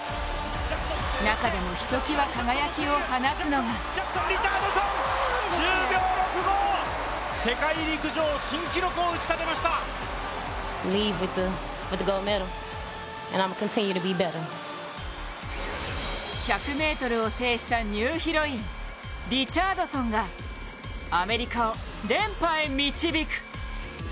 中でもひときわ輝きを放つのが１００ｍを制したニューヒロイン、リチャードソンがアメリカを連覇へ導く。